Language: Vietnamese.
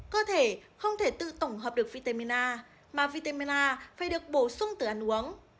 cơ thể không thể tự tổng hợp được vitamin a mà vitem phải được bổ sung từ ăn uống